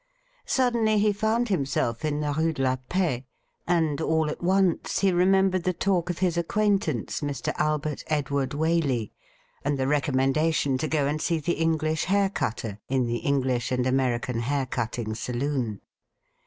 Suddenly he found himself in the Rue de la Paix, and all at once he remembered the talk of his ac quaintance, Mr. Albei t Edward Waley, and the recom mendation to go and see the English hair cutter in the English and American hair cutting saloon.